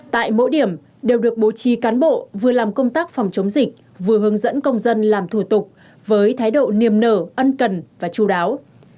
tại mỗi điểm đều được bố trí cán bộ vừa làm công tác phòng chống dịch vừa hướng dẫn công dân làm thủ tục với thái độ niềm nở ân cần và chú đáo